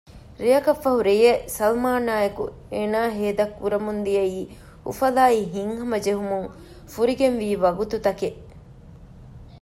ރެއަކަށްފަހު ރެޔެއް ސަލްމާނާއެކު އޭނާ ހޭދަކުރަމުން ދިޔައީ އުފަލާއި ހިތްހަމަޖެހުމުން ފުރިގެންވީ ވަގުތުތަކެއް